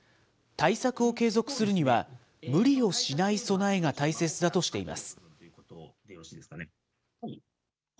対策を継続するには、無理をしない備えが大切だとしています。